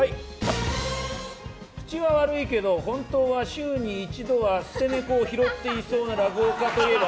口は悪いけど本当は週に１度は捨て猫を拾っていそうな落語家といえば？